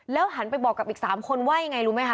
แล้วหันไปบอกกับอีก๓คนว่าอย่างไรรู้ไหมคะ